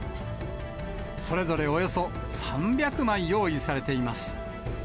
それぞれおよそ３００枚用意されています。